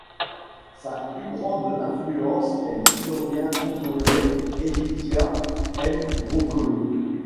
Sa plus grande influence est l'historien congolais Elikia M'Bokolo.